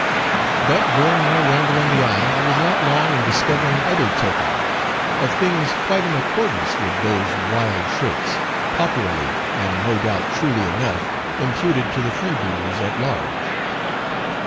"But during my ramble on the isle I was not long in discovering other tokens, of things quite in accordance with those wild traits, popularly, and no doubt truly enough, imputed to the freebooters at large.